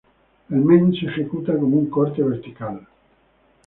El men se ejecuta como un corte vertical.